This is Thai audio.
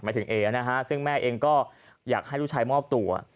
ถึงเอนะฮะซึ่งแม่เองก็อยากให้ลูกชายมอบตัว